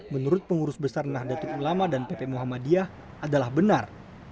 menurut pengurus besar nahdlatul ulama dan pp muhammadiyah adalah benar